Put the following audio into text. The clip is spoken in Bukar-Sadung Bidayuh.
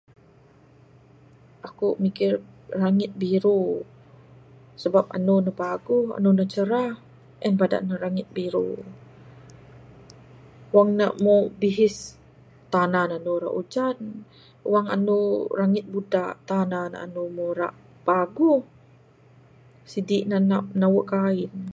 Akuk mikir rangit biru, sebab andu ne paguh, andu ne cerah. En badak ne rangit biru. Wang ne moh bihis, tanda ne andu rak ujan. Wang andu rangit budak, tanda ne andu moh rak paguh. Sidik nan nak nawuk kain.